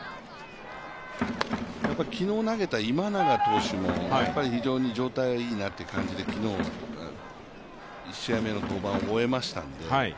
やっぱり昨日投げた今永投手も非常に、状態いいなという感じで昨日１試合目の登板を終えましたので。